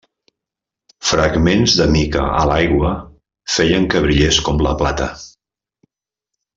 Fragments de mica a l'aigua feien que brillés com la plata.